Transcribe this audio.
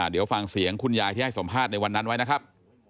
เดี๋ยวฟังเสียงคุณยายที่ให้สัมภาษณ์ในวันนั้นไว้นะครับ